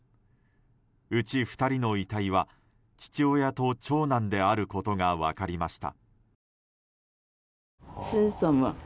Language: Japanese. うち２人の遺体は父親と長男であることが分かりました。